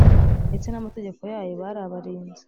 ndetse namategeko yayo bari abarinzi